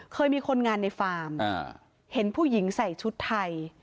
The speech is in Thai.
เคยมีคนงานในฟาร์มเห็นผู้หญิงใส่ชุดไทย